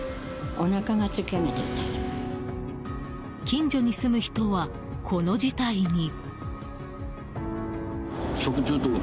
近所に住む人は、この事態に。